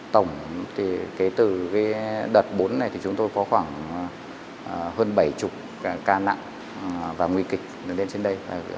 tổng kể từ đợt bốn này thì chúng tôi có khoảng hơn bảy mươi ca nặng và nguy kịch lên trên đây